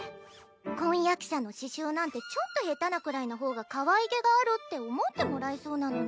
婚約者の刺しゅうなんてちょっと下手なくらいな方がかわいげがあるって思ってもらえそうなのに。